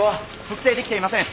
特定できていません。